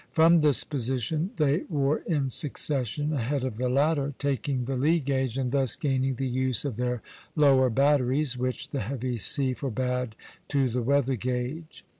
From this position they wore in succession (c) ahead of the latter, taking the lee gage, and thus gaining the use of their lower batteries, which the heavy sea forbade to the weather gage.